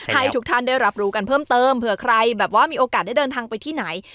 ให้ทุกท่านได้รับรู้กันเพิ่มเติมเผื่อใครแบบว่ามีโอกาสได้เดินทางไปที่ไหน